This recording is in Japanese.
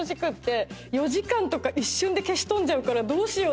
４時間とか一瞬で消し飛んじゃうからどうしよう？